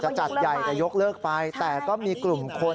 จัดใหญ่จะยกเลิกไปแต่ก็มีกลุ่มคน